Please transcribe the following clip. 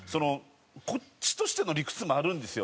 こっちとしての理屈もあるんですよ。